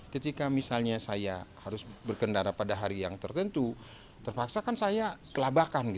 ketika misalnya saya harus berkendara pada hari yang tertentu terpaksa kan saya kelabakan